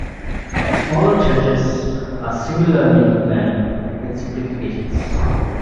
Smaller churches are similarly planned, with simplifications.